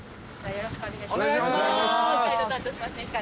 よろしくお願いします。